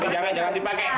jangan jangan dipakai